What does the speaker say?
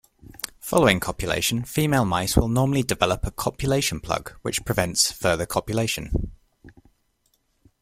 Following copulation, female mice will normally develop a copulation plug which prevents further copulation.